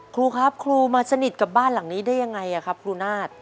ครูครับครูมาสนิทกับบ้านหลังนี้ได้ยังไงครับครูนาฏ